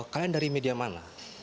kalian dari media mana